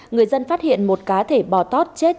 người dân phát hiện một cá thể bò tót chết